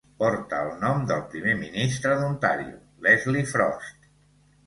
Porta el nom del primer ministre d'Ontario Leslie Frost.